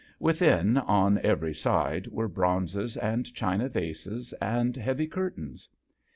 Within on every side were bronzes and china vases and heavy curtains.